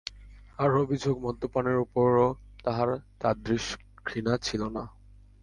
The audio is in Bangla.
আরও অভিযোগ, মদ্যপানের উপরও তাঁহার তাদৃশ ঘৃণা ছিল না।